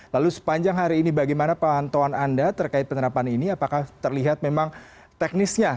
lalu sepanjang hari ini bagaimana pantauan anda terkait penerapan ini apakah terlihat memang teknisnya